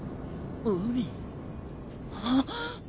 海あっ。